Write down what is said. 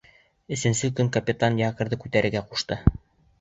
Өсөнсө көндө капитан якорҙы күтәрергә ҡуша.